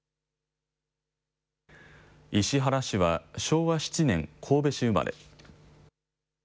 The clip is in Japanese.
石原氏は昭和７年、神戸市生まれ。